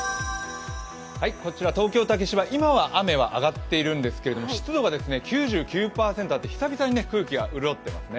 こちら東京・竹芝、今は雨が上がっているんですけど、湿度が９９％あって久々に空気が潤ってますね。